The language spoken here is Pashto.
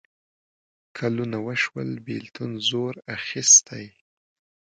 کلونه وشول بېلتون زور اخیستی.